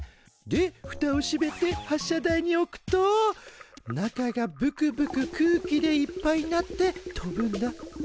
でふたをしめて発射台に置くと中がぶくぶく空気でいっぱいになって飛ぶんだ。